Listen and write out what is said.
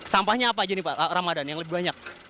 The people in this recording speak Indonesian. sampahnya apa aja nih pak ramadan yang lebih banyak